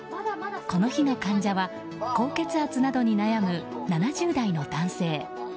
この日の患者は高血圧などに悩む７０代の男性。